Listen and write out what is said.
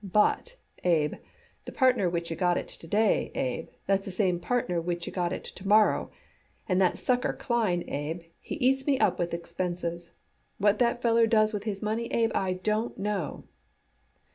But, Abe, the partner which you got it to day, Abe, that's the same partner which you got it to morrow, and that sucker Klein, Abe, he eats me up with expenses. What that feller does with his money, Abe, I don't know."